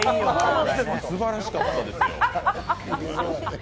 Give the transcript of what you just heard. すばらしかったですよ。